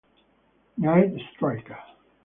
Night Striker